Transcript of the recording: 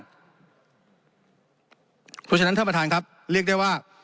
เพราะฉะนั้นท่านประธานครับเรียกได้ว่า